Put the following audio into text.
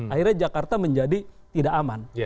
akhirnya jakarta menjadi tidak aman